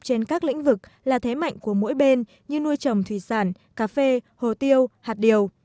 trên các lĩnh vực là thế mạnh của mỗi bên như nuôi trồng thủy sản cà phê hồ tiêu hạt điều